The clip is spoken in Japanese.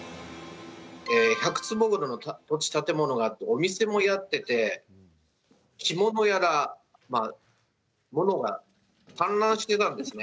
１００坪ほどの土地建物があってお店もやってて、着物やら物が散乱していたんですね。